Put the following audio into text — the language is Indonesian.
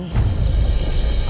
oh gitu ya